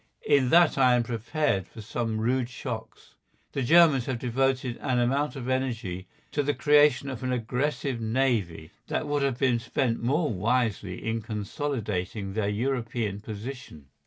In that I am prepared for some rude shocks. The Germans have devoted an amount of energy to the creation of an aggressive navy that would have been spent more wisely in consolidating their European position.